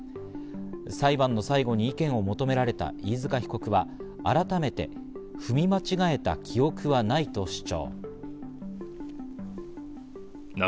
裁判の最後に意見を求められた飯塚被告は改めて踏み間違えた記憶はないと主張。